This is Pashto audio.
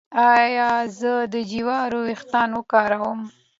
ایا زه د جوارو ويښتان وکاروم؟